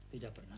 tidak pernah pak